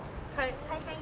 会社員。